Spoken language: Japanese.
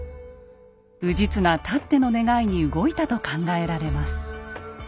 氏綱たっての願いに動いたと考えられます。